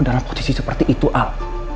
dalam posisi seperti itu al